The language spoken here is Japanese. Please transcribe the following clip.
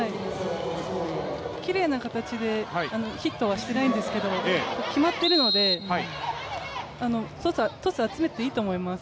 きれいな形でヒットはしてないんですけど、決まっているので、トスを集めていいと思います。